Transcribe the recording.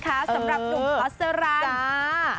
สำหรับหนุ่มฮอตเซอรันด์